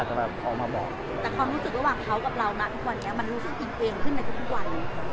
แต่ความรู้สึกระหว่างเขากับเราน่ะทุกวันนี้มันรู้สึกอีกเองขึ้นในทุกวัน